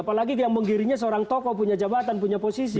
apalagi yang menggiringnya seorang tokoh punya jabatan punya posisi